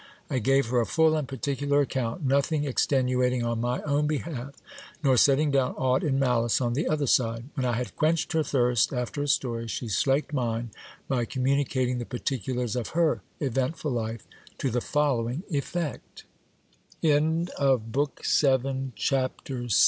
I gave her a full and particular account : nothing extenuating on my own behalf, nor setting down aught in malice on the other side. When I had quenched her thirst after a story, she slaked mine, by communicating the particulars of her eventful life to the